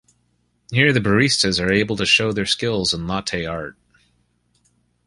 Here the Baristas are able to show their skills in latte art.